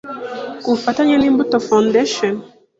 ku bufatanye na Imbuto Foundation,